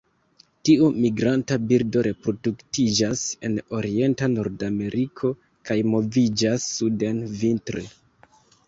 Tiu migranta birdo reproduktiĝas en orienta Nordameriko kaj moviĝas suden vintre.